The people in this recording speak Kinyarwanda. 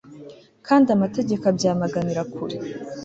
kandi amategeko abyamaganira kure